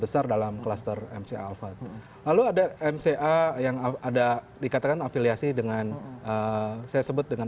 besar dalam kluster mca alphard lalu ada mca yang ada dikatakan afiliasi dengan saya sebut dengan